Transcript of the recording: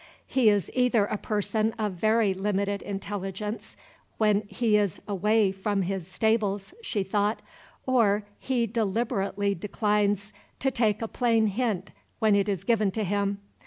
"He is either a person of very limited intelligence when he is away from his stables," she thought, "or he deliberately declines to take a plain hint when it is given to him.